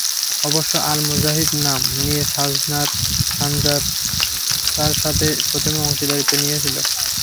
অবশ্য আল মুজাহিদ নাম নিয়ে সানজার তার সাথে প্রথমে অংশীদারিত্ব নিয়েছিল।